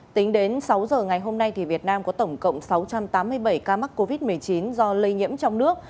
tính đến sáu giờ ngày hôm nay việt nam có tổng cộng sáu trăm tám mươi bảy ca mắc covid một mươi chín do lây nhiễm trong nước